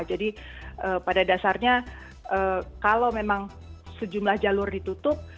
jadi pada dasarnya kalau memang sejumlah jalur ditutup